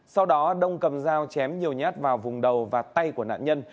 sau đó đông cầm dao chém nhiều nhát vào vùng đầu và tay của nạn nhân